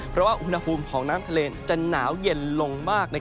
เพราะว่าอุณหภูมิของน้ำทะเลจะหนาวเย็นลงมาก